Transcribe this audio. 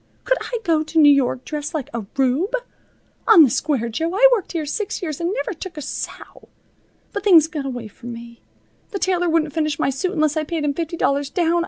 Could I go to New York dressed like a rube? On the square, Jo, I worked here six years and never took a sou. But things got away from me. The tailor wouldn't finish my suit unless I paid him fifty dollars down.